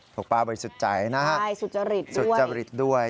ถูกป้าบริสุทธิ์ใจนะครับสุจริตด้วยสุจริตด้วย